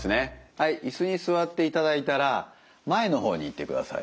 はい椅子に座っていただいたら前の方にいってください。